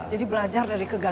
jadi belajar dari kegagalan